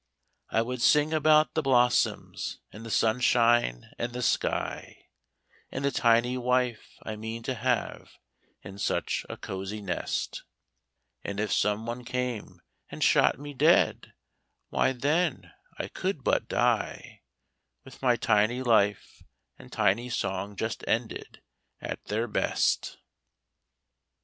I would sing about the blossoms, and the sunshine and the sky, And the tiny wife I mean to have in such a cosy nest; And if some one came and shot me dead, why then I could but die, With my tiny life and tiny song just ended at their best.